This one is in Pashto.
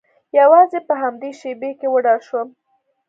یوازې په همدې شیبې کې وډار شوم